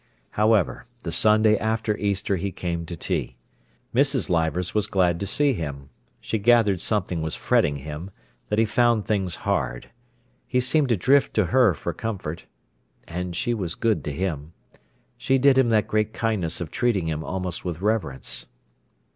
However, the Sunday after Easter he came to tea. Mrs. Leivers was glad to see him. She gathered something was fretting him, that he found things hard. He seemed to drift to her for comfort. And she was good to him. She did him that great kindness of treating him almost with reverence.